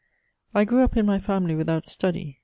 I grew up in my family without study.